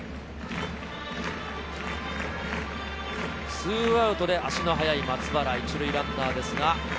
２アウトで足の速い松原が１塁ランナーです。